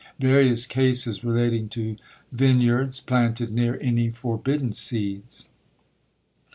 Various cases relating to vineyards planted near any forbidden seeds.